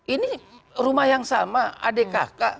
ini rumah yang sama adik kakak